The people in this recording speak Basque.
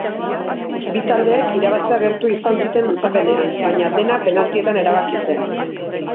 Bi taldeek irabaztea gertu izan zuten luzapenean, baina dena penaltietan erabaki zen.